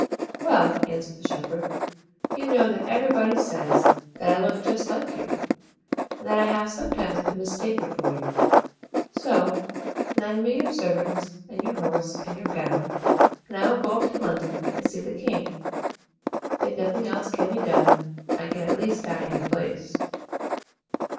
"Well," answered the shepherd, "you know that everybody says that I look just like you, and that I have some times been mis tak en for you. So, lend me your servants and your horse and your gown, and I will go up to London and see the king. If nothing else can be done, I can at least die in your place."